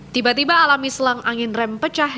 tiba tiba alami selang angin rem pecah